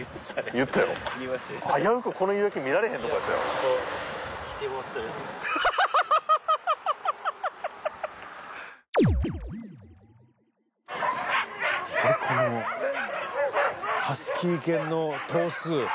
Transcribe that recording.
見てこの「ハスキー犬」の頭数。